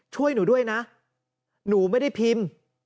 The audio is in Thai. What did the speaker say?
ช่วยหนูด้วยนะหนูไม่ได้พิมพ์